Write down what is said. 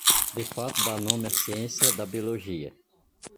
De fato, dá nome à ciência da biologia.